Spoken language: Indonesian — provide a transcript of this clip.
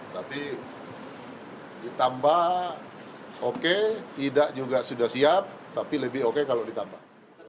tapi ditambah oke tidak juga sudah siap tapi lebih oke kalau ditambah